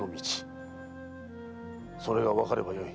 それがわかればよい。